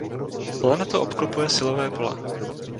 Planetu obklopuje silové pole.